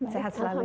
sehat selalu ya